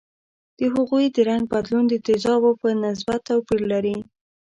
د هغوي د رنګ بدلون د تیزابو په نسبت توپیر لري.